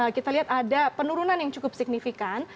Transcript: kita lihat ada penurunan yang cukup signifikan